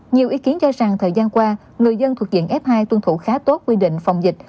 nhiều ý kiến cho rằng thời gian qua người dân thuộc diện f hai tuân thủ khá tốt quy định phòng dịch